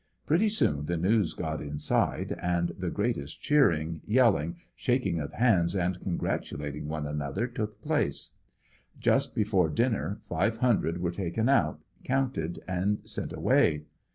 Pretty soon the news got inside and the great est cheering, yelling, shaking of hands and congratulating one an other took place. Just before dinner five hundred were taken out, counted and sent away.